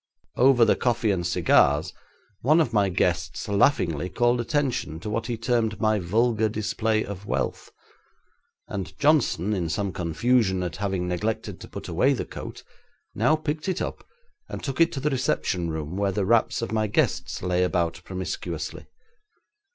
'Over the coffee and cigars one of my guests laughingly called attention to what he termed my vulgar display of wealth, and Johnson, in some confusion at having neglected to put away the coat, now picked it up, and took it to the reception room where the wraps of my guests lay about promiscuously.